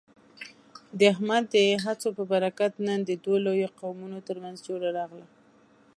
د احمد د هڅو په برکت، نن د دوو لویو قومونو ترمنځ جوړه راغله.